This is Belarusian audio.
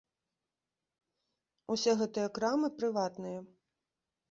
Усе гэтыя крамы прыватныя.